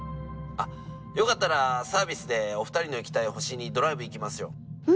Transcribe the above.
あっよかったらサービスでお二人の行きたい星にドライブ行きますよ。